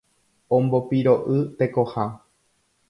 Ombopiro'y tekoha